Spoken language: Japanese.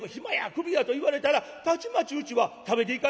クビや！』と言われたらたちまちうちは食べていかれへんようになるで」。